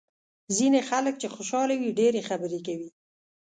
ځینې خلک چې خوشاله وي ډېرې خبرې کوي.